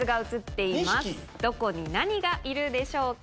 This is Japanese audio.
どこに何がいるでしょうか？